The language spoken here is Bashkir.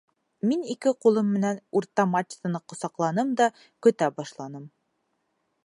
Мин ике ҡулым менән урта мачтаны ҡосаҡланым да көтә башланым.